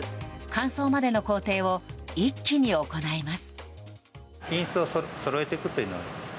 洗浄から塗布、乾燥までの工程を一気に行います。